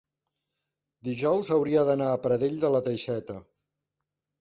dijous hauria d'anar a Pradell de la Teixeta.